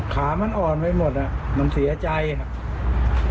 ข้ามันอ่อนไว้หมดมันเสียใจครับ